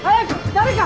誰か！